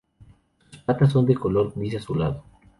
Sus patas son de color gris azulado.